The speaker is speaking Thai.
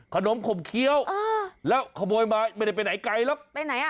ขนมขบเคี้ยวแล้วขโมยมาไม่ได้ไปไหนไกลหรอกไปไหนอ่ะ